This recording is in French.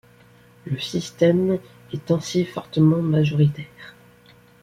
Le système est ainsi fortement majoritaire.